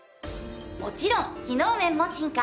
もちろん機能面も進化。